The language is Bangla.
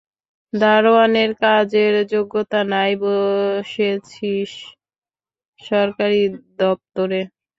দারোয়ানের কাজের যোগ্যতা নাই বসেছিস সরকারি দপ্তরে।